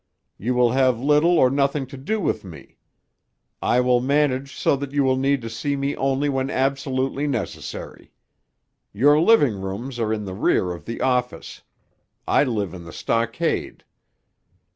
You will have little or nothing to do with me; I will manage so that you will need to see me only when absolutely necessary. Your living rooms are in the rear of the office. I live in the stockade.